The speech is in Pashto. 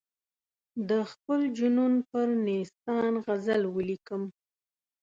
د خپل جنون پر نیستان غزل ولیکم.